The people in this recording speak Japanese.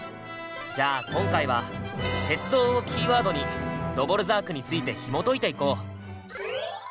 じゃあ今回は鉄道をキーワードにドヴォルザークについてひもといていこう。